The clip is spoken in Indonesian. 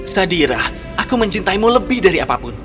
sadira aku mencintaimu lebih dari apapun